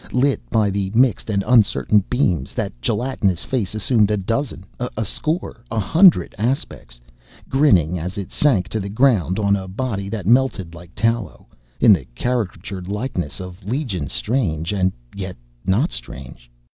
Lit by the mixed and uncertain beams, that gelatinous face assumed a dozen a score a hundred aspects; grinning, as it sank to the ground on a body that melted like tallow, in the caricatured likeness of legions strange and yet not strange.